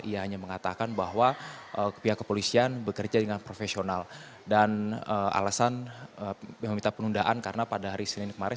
ia hanya mengatakan bahwa pihak kepolisian bekerja dengan profesional dan alasan meminta penundaan karena pada hari senin kemarin